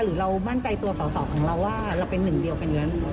หรือเรามั่นใจตัวสาวของเราว่าเราเป็นหนึ่งเดียวกันอย่างนั้น